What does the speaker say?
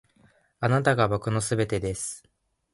あなたが僕の全てです．